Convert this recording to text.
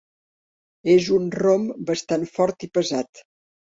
És un rom bastant fort i pesat.